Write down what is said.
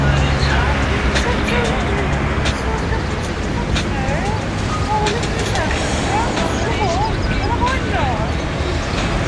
The essential ingredients of liquorice confectionery are liquorice extract, sugar, and a binder.